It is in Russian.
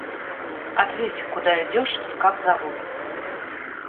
Ответь куда идешь и как зовут.